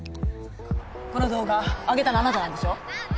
この動画あげたのあなたなんでしょ？